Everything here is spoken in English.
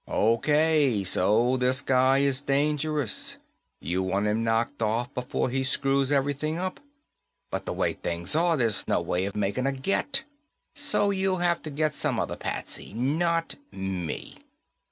"O.K., so this guy is dangerous. You want him knocked off before he screws everything up. But the way things are, there's no way of making a get. So you'll have to get some other patsy. Not me."